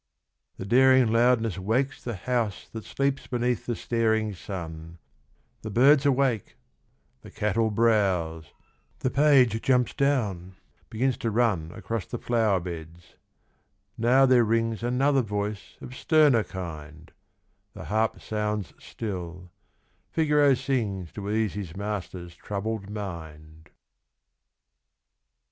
The daring loudness wakes the house That sleeps beneath the staring sun, The birds awake : the cattle browse : The page jumps down, begins to run Across the flower beds : now there rings Another voice of sterner kind, The harp sounds still ; Figaro sings To ease his master's troubled mind.